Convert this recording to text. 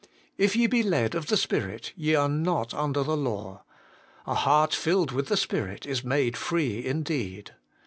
'If ye be led of the Spirit, ye are not under the law.' A heart filled with the Spirit is made free indeed.